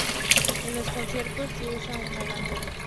En los conciertos sí usa una banda.